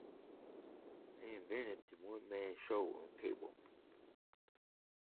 I invented the one-man show on cable.